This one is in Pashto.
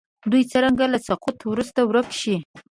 دوی څرنګه له سقوط وروسته ورک شي.